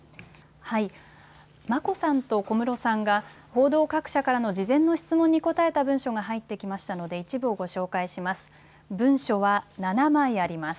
眞子さんと小室さんが、報道各社からの事前の質問に答えた文書が入ってきましたので、一部をご紹介します。